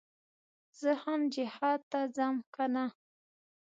زه هم جهاد ته ځم کنه.